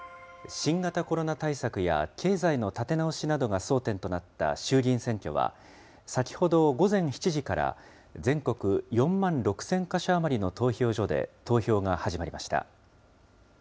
新型コロナ対策や経済の立て直しなどが争点となった衆議院選挙は、先ほど午前７時から、全国４万６０００か所余りの投票所で投票が始まりました。